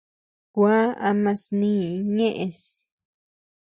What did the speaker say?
Kuá ama snï ñeʼes.